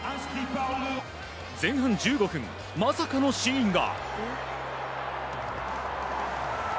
前半１５分、まさかのシーンが。